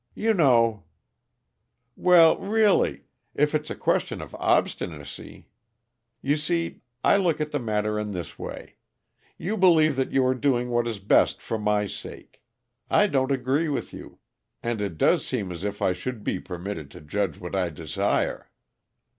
You know " "Well, really! If it's a question of obstinacy You see, I look at the matter in this way: You believe that you are doing what is best for my sake; I don't agree with you and it does seem as if I should be permitted to judge what I desire."